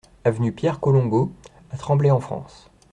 Avenue Pierre Colongo à Tremblay-en-France